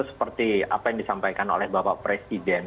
seperti apa yang disampaikan oleh bapak presiden